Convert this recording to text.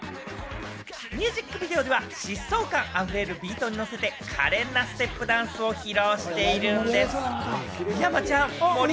ミュージックビデオでは疾走感溢れるビートにのせて華麗なステップダンスを披露しているんでぃす！